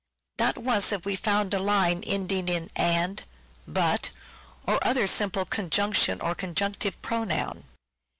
Not once have we found a line ending in " and," " but," or other simple Conjunction or Conjunctive Pronoun.